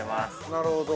◆なるほど。